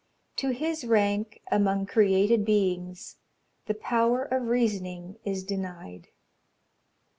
To his rank among created beings The power of reasoning is denied!